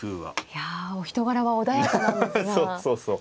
いやお人柄は穏やかなんですが。